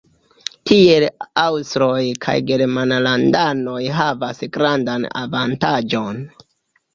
Tiel aŭstroj kaj germanlandanoj havas grandan avantaĝon.